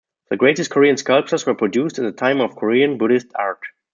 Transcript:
The greatest Korean sculptures were produced in the time of Korean Buddhist art.